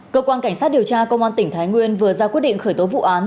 cơ quan cảnh sát điều tra công an tỉnh thái nguyên vừa ra quyết định khởi tố vụ án